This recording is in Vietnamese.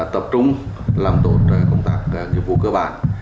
tập trung làm tốt công tác nghiệp vụ cơ bản